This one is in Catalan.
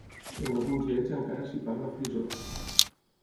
En alguns d'ells encara s'hi parla frisó.